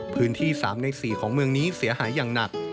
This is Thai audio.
พื้นที่๓ใน๔ของเมืองนี้เสียหายอย่างหนัก